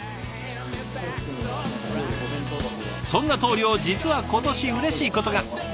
そんな棟梁実は今年うれしいことが。